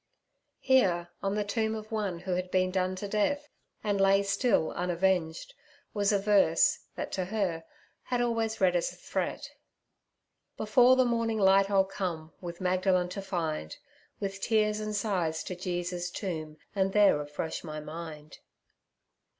Here, on the tomb of one who had been done to death, and lay still unavenged, was a verse that to her had always read as a threat: 'Before the morning light I'll come, with Magdalen to find, With tears and sighs to Jesus' tomb, and there refresh my mind.'